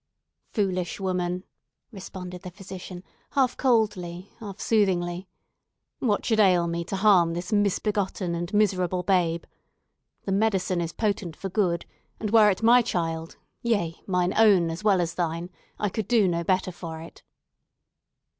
"Foolish woman!" responded the physician, half coldly, half soothingly. "What should ail me to harm this misbegotten and miserable babe? The medicine is potent for good, and were it my child—yea, mine own, as well as thine! I could do no better for it."